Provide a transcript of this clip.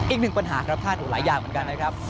อีกหนึ่งปัญหาครับคาดถูกหลายอย่างเหมือนกันนะครับ